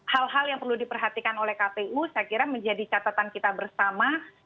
hal hal yang perlu diperhatikan oleh kpu saya kira menjadi catatan kita bersama